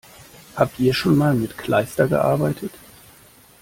Habt ihr schon mal mit Kleister gearbeitet?